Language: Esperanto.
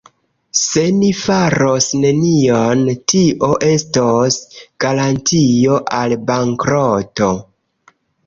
Se ni faros nenion, tio estos garantio al bankroto.